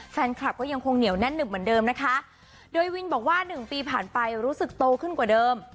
แฟนคลับก็ยังคงเหนียวแน่นหนึบเหมือนเดิมนะคะโดยวินบอกว่าหนึ่งปีผ่านไปรู้สึกโตขึ้นกว่าเดิม